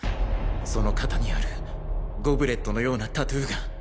その肩にあるゴブレットのようなタトゥーが。